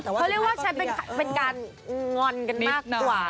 เขาเรียกว่าใช้เป็นการงอนกันมากกว่า